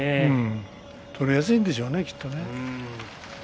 取りやすいんでしょうねきっと。